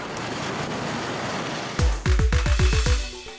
kawasan ini akan terus dilakukan dengan keinginan dari pemerintah